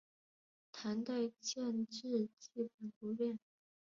唐代建制基本不变。